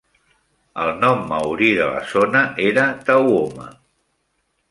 El nom maori de la zona era Tauoma.